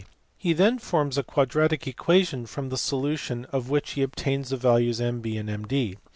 He then forms a quadratic equation from the solution of which he obtains the values of MB and MD.